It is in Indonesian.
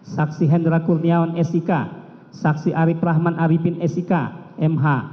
saksi hendra kurniawan s i k saksi ari prahman aripin s i k m h